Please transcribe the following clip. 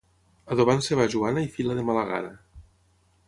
Adobant-se va Joana i fila de mala gana.